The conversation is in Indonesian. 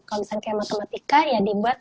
kalau misalnya kayak matematika ya dibuat